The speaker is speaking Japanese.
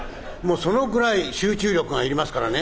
そのくらい集中力がいりますからね